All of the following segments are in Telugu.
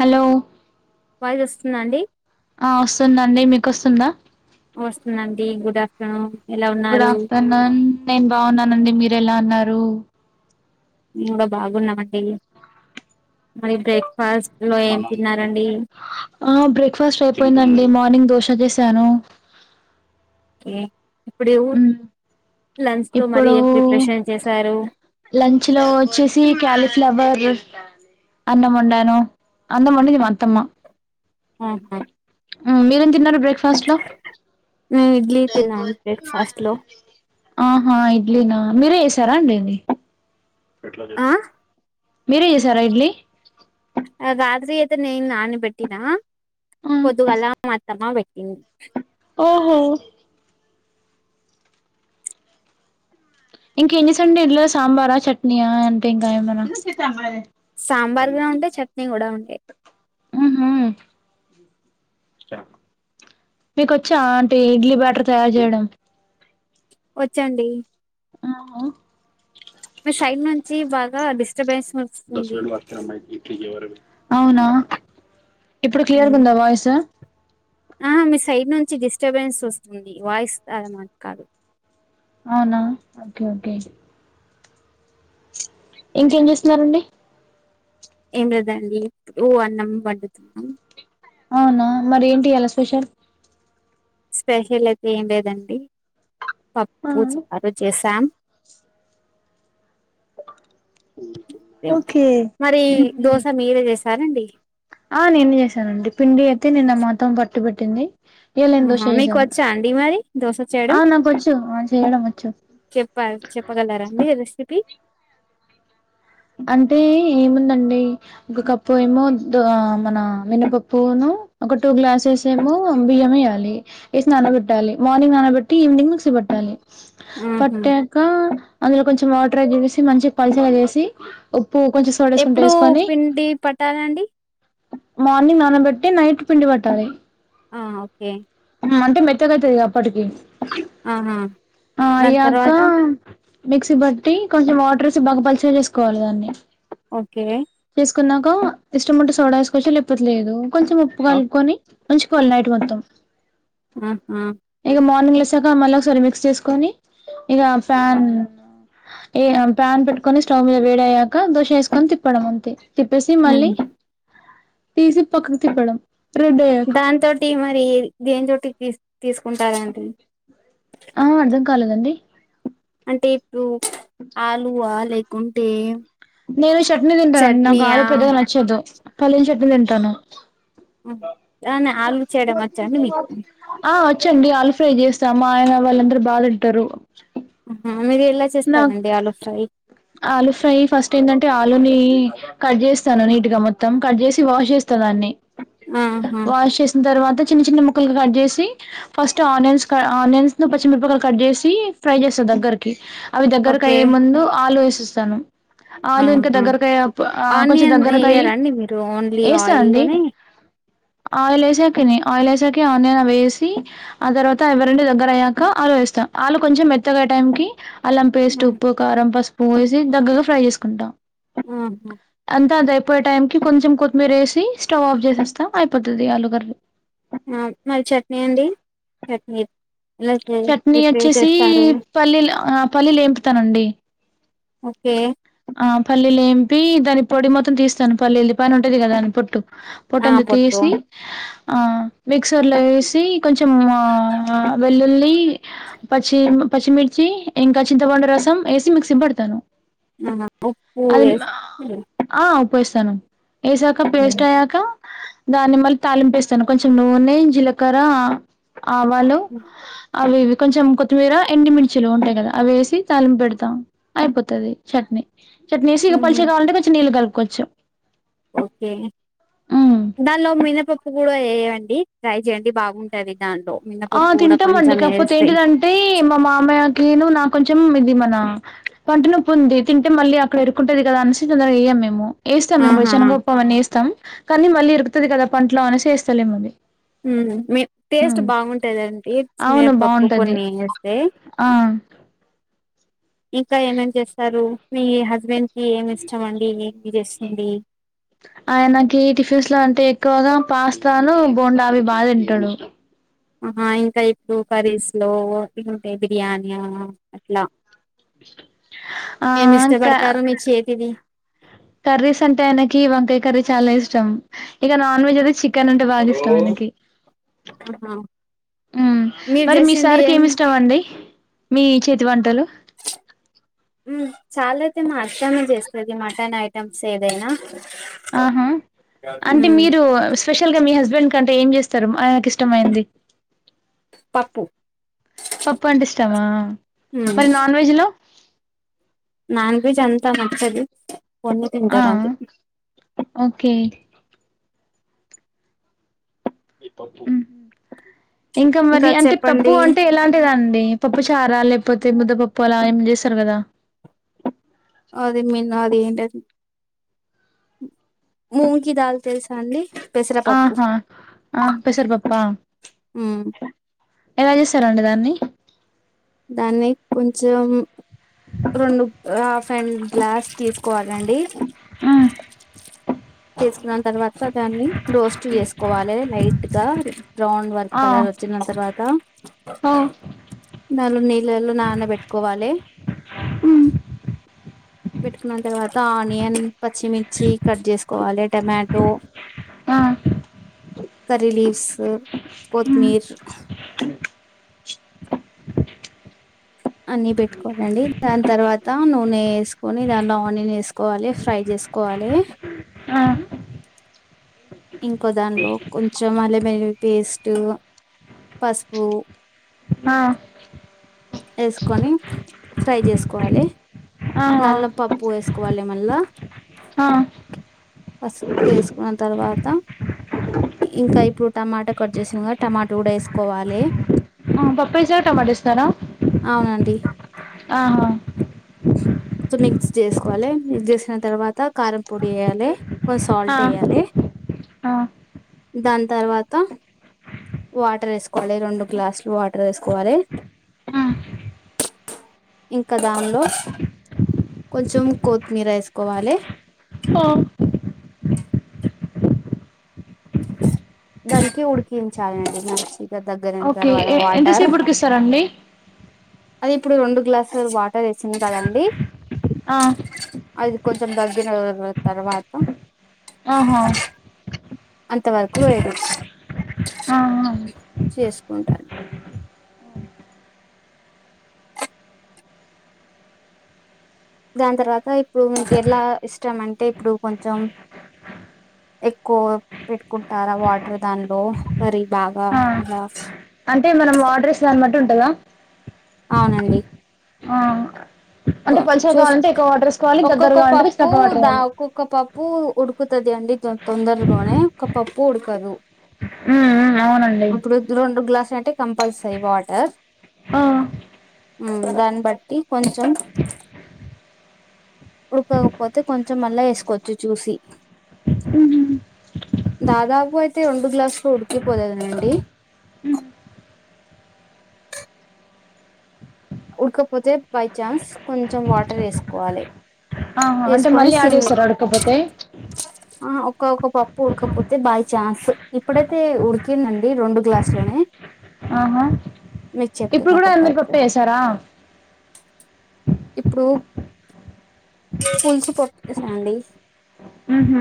హలో వాయిస్ వస్తుందా అండి ఆ ఒస్సుందండి మీకొస్తుందా ఒస్తుందండి గుడాఫ్ హలో ఎలా ఉన్నా గుడ్ ఆఫ్టర్నూన్ నేను బాగున్నానండి మీరెలా ఉన్నారు మేం కూడా బాగున్నామండి మరి బ్రేక్ఫాస్ట్ లో ఏం తిన్నారండి ఆ బ్రేక్ఫాస్టయి పోయిందండి మార్నింగ్ దోశ చేసాను ఓకే ఇప్పుడే ఉ ఉమ్ లంచ్ లో మరి ఇప్పుడు ఏం ప్రిఫ్రెషన్ చేసారు లంచ్ లో ఒచ్చేసి క్యాలిఫ్లవర్ అన్న మొండాను అన్నమొండింది మా అత్తమ్మ ఉహు మీరేం తిన్నరు బ్రేక్ఫాస్ట్ లో నేను ఇడ్లీ తిన్నాను బ్రేక్ఫాస్ట్ లో ఆహా ఇడ్లీనా మీరే చేసారాండి ఆ మీరే చేసారా ఇడ్లీ ఆ గాగ్జీ అయితే నేను నాన బెట్టినా ఆ పొద్దుగల మా అత్తమ్మ పెట్టింది ఓహో ఇంకా ఎంజేస్తేరు ఇట్లో సాంబారా చట్నీయా అంటే ఇంకాయేమన్న సాంబార్ కూడా ఉండే చట్నీ కూడా ఉండే ఉ ఉ నీకొచ్చా అంటీ ఇడ్లీ బ్యాటర్ తయారు చేయడం ఒచ్చండి ఉహు మీ సైడ్ నుంచి బాగా డిస్టర్బెన్స్ ఒ ఔనా ఇప్పుడు ఉమ్. క్లియర్గుందా వాయిసు ఆ మీ సైడ్ నుంచి డిస్టర్బెన్స్ ఒస్తుంది వాయిస్ అది మాకు కాదు ఔనా ఓకే ఓకే ఇంకేం చేస్తున్నరండి ఏం లేదండి ఉ అన్నం వండుతున్నా ఔనా మరి ఏంటియ్యాల స్పెషల్ స్పెషలైతే ఏం లేదండి ఆ పప్పు చారు చేసాం ఓకే మరి మ్మ్. దోస మీరే చేసారండి ఆ నేనే చేసానండి పిండి అయితే నేను మా అత్తమ్మ పట్టి పెట్టింది ఏలెన్ దోష ఆహా మీకు చేసాను వచ్చా అండి మరి దోశ ఆ చేయడం నాకొచ్చు ఆ చేయడమొచ్చు చెప్ప చెప్పగలరండి రెసిపీ అంటే ఏముందండి ఒక కప్పు ఏమో ద మన మినపప్పూను ఒక టూ గ్లాసెస్ ట్లేమో బియ్యమెయ్యాలి ఏసి నానబెట్టాలి మార్నింగ్ నానబెట్టి ఈవినింగ్ మిక్సీ పట్టాలి ఆహా పట్టాక అందులో కొంచెం వాటర్ ఆడ్ చేసేసి మంచిగ పల్చగ చేేసి ఉప్పు కొంచం స్ ఎప్పుడు పిండి పట్టాలండి మార్నింగ్ నానబట్టి నైట్ పిండి పట్టాలి ఆ ఓకే అంటే మెత్తగైతదిగా అప్పటికి ఆహా ఆ దాని అయ్యాకా తర్వాత మిక్సీ బట్టి కొంచెం వాటరేసి బాగా పల్చగ చేస్కోవాలి దాన్ని ఓకే చేస్కున్నాక ఇష్టముంటే సోడా ఏస్కోచ్చు లేక్పోత్లేదు కొంచెం ఉప్పు ఓ- కల్పుకొని ఉంచుకోవాలి నైట్ మొత్తం ఆహా ఇగ మార్నింగ్ లేసాక మళ్ళోక్సారి మిక్స్ చేస్కొని ఇగ ఫ్యాన్ ఏ పాన్ పెట్టుకొని స్టవ్ మీద వేడయ్యాక దోశ వేస్కొని తిప్పడం అంతే తిప్పేసి మళ్ళీ తీసి పక్కకు తిప్పడం రెడీ అయ్యాక దాంతోటి మరి దేంతోటి తీ తీస్కుంటారండి ఆ అర్థం కాలేదండి అంటే ఇప్పుడు ఆలువా లేకుంటే నేను చట్నీ తింటానండి నాకు ఆలు చట్నీయా పెద్దగా నచ్చదు పల్లీల్ చట్నీ తింటాను లానే ఆలూ చేయడం వచ్చాండి మీకు ఆ వచ్చండి అల్ ఫ్రై చేస్తా మా ఆయన వాళ్ళందరు బా తింటారు ఆ మీరెలా నాక్ ఆలు ఫ్రై ఫస్టేందంటే ఆలుని కట్ చేస్తాను నీట్ గా మొత్తం కట్ చేసి వాష్ చేస్తా దాన్ని ఆహా వాష్ చేస్ తర్వాత చిన్న చిన్న ముక్కల్గా కట్ చేసి ఫస్ట్ ఆనియన్స్ క ఆనియన్స్ ను పచ్చిమిర్పకాయల్ కట్ చేసి ఫ్రై చేస్తా దగ్గర్కి అవి ఓకే దగ్గర్కయ్యే ముందు ఆలు వేసేస్తాను ఆలు ఇంకా ఆహా దగ్గర్కాయా ప్ కొంచెం ఆనియన్ దగ్గరకయి ఎయ్యరా అండి మీరు ఓన్లీ వేస్తా ఆయిల్ అండి లోనే ఆయిల్ ఏసాకనే ఆయిల్ ఏసాకే ఆనియన్ అవేసి ఆ తర్వాత ఎవరండి దగ్గరైయ్యాక ఆలు వేస్తా ఆలు కొంచెం మెత్తగైయే టైం కి అల్లం పేస్ట్ ఉప్పు కారం పసుపు వేసి దగ్గగా ఫ్రై చేస్కుంటా అహ అంతా అదైపోయే టైం కి కొంచెం కొత్తిమీరేసి స్టవ్ ఆఫ్ చేసేస్తా అయిపోతది ఆలుగర్ మరి చట్నీ అండి చట్నీ ఎలా చే ప్రిపేర్ చేస్తారు పల్లీల ఆ పల్లీలు ఏంపుతానండి ఓకే ఆ పల్లీలేంపి దాన్ని పొడి మొత్తం తీస్తాను పల్లీల్ది పైనుంటది కదాని పొట్టు ఆ పొట్టంత పొట్టు తీసి ఆ మిక్సర్లో ఏసి కొంచెం ఆ వెల్లుల్లి పచ్చి పచ్చిమిర్చి ఇంకా చింతపండు రసం ఏసి మిక్సిపడుతాను అహా ఉప్పు వేస్ ఆ ఉప్పేస్తాను ఏసాక పేస్టైయ్యాక దాన్ని మళ్ళీ తాళింపేస్తాను కొంచెం నూనె జీలకరా ఆవాలు అవ్వివ్వి కొంచెం కొత్తిమీర ఎండిమిర్చీలు ఉంటై కదా అవేసి తాలింపు పెడుతా అయిపోతది చట్నీ చట్నేసి ఇగ మ్మ్ పల్చగాలంటే కొంచం నీళ్లు కల్పుకోచ్చు ఓకే ఉమ్ దాంలో మినపప్పు కూడా ఏయండి ట్రై చేయండి బాగుంటది దాంట్లో ఆ మినపప్పు కూడా తింటామండి కొంచెం కాక్పోతే వేస్తే ఏంటిదంటే మా మామయ్యకీను నాక్కొంచెం ఇది మన పంటినొప్పుంది తింటే మళ్ళీ అక్కడ ఇరుక్కుంటది కదా అనేసి కొంత ఎయ్యం మేము ఏస్తాం మేము కూడా ఆహా చెనగ పప్పవన్నీ ఏస్తాం కానీ మళ్ళీ ఇరుక్కుతది కదా పంట్లో అనేసి ఏస్తాలేం మేం మ్ మీ టేస్ట్ బాగుంటాదండి శనగ అవును పప్పు బాగుంటది కొన్ని ఏస్తే ఆ ఇంకా ఏమేం చేస్తారు మీ హస్బెండ్కి ఏమిష్టం అండి మీరు చేసింది ఆయనకి టిఫిన్స్ లో అంటే ఎక్కువగా పాస్తాను, బోండా అవి బా తింటాడు. ఆ ఇంకా ఇప్పుడు కర్రీస్ లో ఓపిక ఉంటే బిర్యాని అట్లా ఆ క ఏమిష్టపడ్తారు మీ చేతిది? కర్రీస్ అంటే ఆయనకి వంకాయ కర్రీ చాలా ఇష్టం. ఇక నాన్ వెజ్ అయితే చికెన్ అంటే బాగా ఇష్టం ఆయనకి ఆహా మీరు మరి మీ చేసింది సారికి ఏం ఏమి ఇష్టమండి? మీ చేతి వంటలు. చాలా అయితే మా అత్తమ్మే చేస్తాది మటన్ ఐటమ్స్ ఏదైనా. ఆహా! అంటే హ్మ్ మీరు స్పెషల్గా మీ హస్బెండ్ కంటే ఏం చేస్తారు? ఆయనకు ఇష్టమైంది. పప్పు పప్పు అంటే ఇష్టామా? హ్మ్ మరి నాన్ వెజ్ లో నాన్ వెజ్ అంత నచ్చదు. కొన్ని ఆ తింటారు అంతే ఓకే ఇంకా మరి అంటే పప్పు అంటే ఎలాంటిదండి. పప్పు చారా లేకపోతే ముద్ద పప్పు అలా ఏం చేస్తారు కదా? అదే మన్న అది ఏంటది మూంగకి దాల్. తెలుసా అండి పెసర పప్పు. ఆహా ఆ పెసరపప్పా ఎలా చేశారండి దాన్ని? దాన్ని కొంచెం రెండు హాఫ్ అండ్ గ్లాస్ తీసుకోవాలండి. మ్ తీసుకున్న తర్వాత దాన్ని రోస్ట్ చేసుకోవాలి. లైట్ గా బ్రౌన్ వరకు ఆ కలర్ వచ్చిన తర్వాత ఓ నాలుగు నీళ్ళలో నానబెట్టుకోవాలి. మ్ పెట్టుకున్న తర్వాత ఆనియన్, పచ్చిమిర్చి కట్ చేసుకోవాలి. టమాటో మ్ కరీలీవ్స్, మ్ కొత్తిమీర అన్ని పెట్టుకోవాలండి. దాని తర్వాత నూనె వేసుకొని దానిలో ఆనియన్ వేసుకోవాలి ఫ్రై చేసుకోవాలి. కోవాలి మ్ ఇంకో దానిలో కొంచెం అల్లం వెల్లుల్లి పేస్ట్, పసుపు ఆ వేసుకొని ఫ్రై చేసుకోవాలి ఆహా నల్ల పప్పు వేసుకోవాలి మళ్ళా మ్ పసుపు వేసుకున్న తర్వాత ఇంకా ఇప్పుడు టమాటా కట్ చేసినాం కదా టమాటో కూడా వేసుకోవాలి. పప్పై వేసాక టొమాట వే? అవునండి. ఆహా! కొంచెం మిక్స్ చేసుకోవాలి. మిక్స్ చేసుకున్న తర్వాత కారం పొడి వేయాలి. కొంచెం ఆ సాల్ట్ వేయాలి ఆ దాని తర్వాత వాటర్ వేసుకోవాలి రెండు గ్లాసులు వాటర్ వేసుకోవాలి. ఆ ఇంకా దానిలో కొంచెం కొత్తిమీర వేసుకోవాలి. ఆ దగ్గరికి ఉడికించాలండి మంచిగా దగ్గరైన తర్వాత వాటర్ రండి అదే ఇప్పుడు రెండు గ్లాసులు వాటర్ వేసింది కదండి ఆ అద్ కొంచం దగ్గిన తర్వాత ఆహా అంతవరకు వేడు ఆహా చేసుకుంటారు దాని తర్వాత ఇప్పుడు మీకు ఎలా ఇష్టం అంటే ఇప్పుడు కొంచెం ఎక్కువ పెట్టుకుంటారా వాటర్ దానిలో మరి బాగా ఆ అలా అంటే మనం వాటర్ వేసేదాన్ని బట్టి ఉంటుందా ఔనండి ఆ అంటే చూసు పల్చగావాలంటే ఎక్కువ వాటరేస్కోవాలి దగ్గర ఒక్కొక్క కావాలంటేక్క మీ పప్పు తక్కువాటర్ దా వేయాలి ఒక్కొక్క పప్పు ఉడుకుతదండి తొందరగానే ఒక పప్పు ఉడకదు ఉ ఉ ఔనండి ఇప్పుడు రెండు గ్లాస్లంటే కంపల్సరీ వాటర్ ఆ ఉ దాన్ని బట్టి కొంచెం ఉడుకకపోతే కొంచెం మళ్ళా ఏస్కోచ్చు చూసి దాదాపు అయితే రెండు గ్లాస్లు ఉడికిపోలేదండి ఉడ్కపోతే బై చాన్స్ కొంచెం వాటర్ ఏస్కోవాలి ఆహా అంటే మళ్ళీ ఆడ్ వేసారా ఉడక్కపోతే అహా ఒక్కొక్క పప్పు ఉడకపోతే బై చఛాన్స్ ఇప్పుడైతే ఉడికిందండి రెండు గ్లాస్ లోనే ఆహా మీకు చెప్తాను ఇప్పుడు ఒక కూడా అంది పద్ద పప్పేసారా ఇప్పుడు పుల్సు పోప్కేసెయండి ఉహు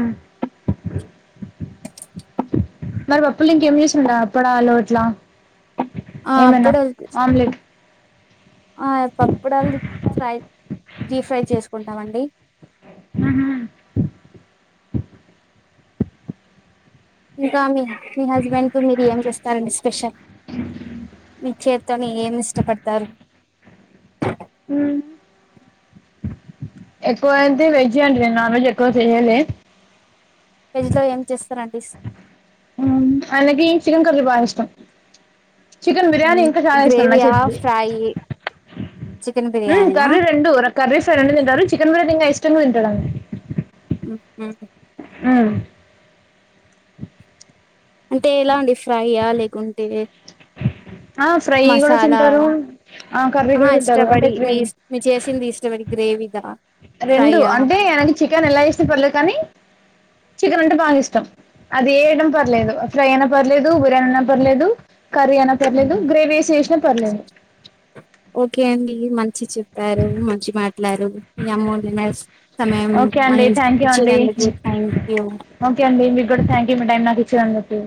మరి పప్పుల్లో ఇంకేం చేస్తరండి అప్పుడాలో ఇట్లా ఆ ఏమైనా అప్పుడలు ఆమ్లెట్ ఆ పప్పడాల్ ఫ్రై డీప్ ఫ్రై చేస్కుంటాం అండి హ్మ్ హు ఇంకా అండి మీ హస్బెండ్ కు మీరు ఏం చేస్తారండి స్పెషల్ మీ చేత్తోని ఏమిష్టపడ్తారు ఎక్కువైతే వెజ్ అండి నేను నాన్ వెజ్ ఎక్కువ చెయ్యలె వెజ్లో ఏం చేస్తారండిస్ ఆయ్నకి చికెన్ కర్రీ బాగిష్టం చికెన్ బిర్యానీ ఇంకా చాలా ఇష్టం నా చేద్ది అయ్యి ఉ కర్రీ రెండు ర కర్రీస్ రెండు తింటారు చెకెన్ బిర్యానీ ఇంకా ఇష్టంగా తింటాడ్ అంతే ఉ హు ఉమ్ అంటే ఎలాండి ఫ్రై అ లేకుంటే ఆ ఫ్రై కూడా మసాలా తింటారు ఆ కర్రీ అహ కూడా తింటారు అంటే ఇష్టపడి గ్రేవీ మీస్ మీర్ చేసింది ఇష్టంపడి గ్రేవీదా రెండు అంటే ఆయ్నకి చికెన్ ఎలా [unintelligible] పర్లేదు కానీ చికెన్ అంటే బాగిష్టం అది ఏడం పర్లేదు ఫ్రై అయినా పర్లేదు బిర్యానీ అయినా పర్లేదు కర్రీ అయినా పర్లేదు గ్రేవీ ఏసి చేస్నా పర్లేదు ఓకే అండి మంచి చెప్పారు మంచి మాట్లారు మీ అమ్మో ది బెస్ సమయం ఓకే మ అండి థ్యాంక్ యూ అండి ఇంచ్చినందుకు థాంక్యూ ఓకే అండి మీక్కూడా థాంక్యూ మీ టైం నాకిచ్చినందుకు